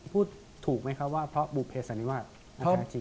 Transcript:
พูดถูกไหมครับว่าเพราะบุพเพสันนิวาสอาจจะจริง